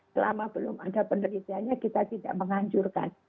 selama belum ada penelitiannya kita tidak menghancurkan